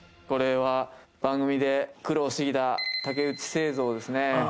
これは番組で苦労してきた竹内製造ですね。